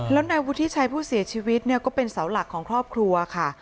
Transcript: แล้วนายวุฒิชัยผู้เสียชีวิตเนี่ยก็เป็นเสาหลักของครอบครัวค่ะ